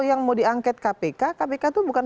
yang mau diangket kpk kpk itu bukan